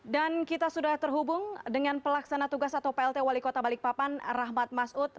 dan kita sudah terhubung dengan pelaksana tugas atau plt wali kota balikpapan rahmat masud